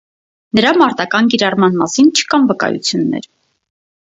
Նրա մարտական կիրառման մասին չկան վկայություններ։